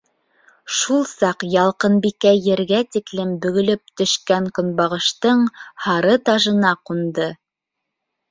Шул саҡ Ялҡынбикә ергә тиклем бөгөлөп төшкән көнбағыштың һары тажына ҡунды.